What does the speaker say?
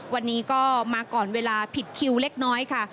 วันนี้ก็มาก่อนเวลาผิดคิวเล็กน้อยค่ะ